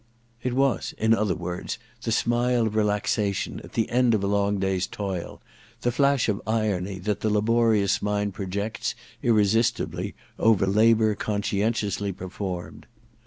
It was, in other words, the smile of relaxation at the end of a long day's toil : the flash of irony which the laborious mind projects, irresistibly, over labour conscientiously performed.